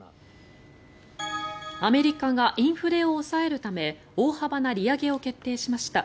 アメリカがインフレを抑えるため大幅な利上げを決定しました。